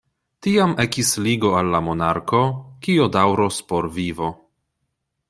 Tiam ekis ligo al la monarko, kio daŭros por vivo.